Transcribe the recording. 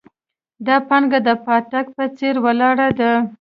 دا پانګه د پاټک په څېر ولاړه ده.